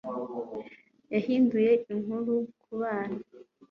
yahinduye inkuru kubana